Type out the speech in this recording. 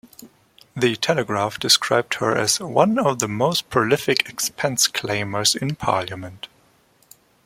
"The Telegraph" described her as "one of the most prolific expense claimers in Parliament".